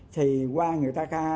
thì qua người ta